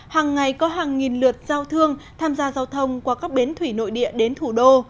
hàng ngày có hàng nghìn lượt giao thương tham gia giao thông qua các bến thủy nội địa đến thủ đô